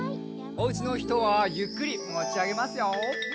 おうちのひとはゆっくりもちあげますよ。